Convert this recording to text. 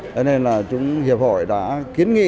thế nên là chúng hiệp hội đã kiến nghị